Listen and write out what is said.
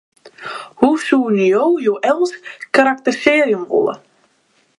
Hoe soenen jo josels karakterisearje wolle?